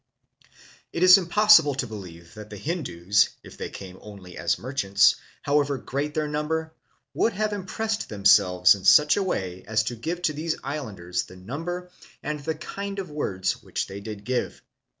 The Hindus in the Philippines. " It is impossible to believe that the Hindus, if they came only as merchants, however great their number, would have impressed them selves in such a way as to give to these islanders the num ber and the kind of words which they did give.